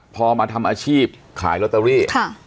พอมาทำอาชีพขายแรตอลี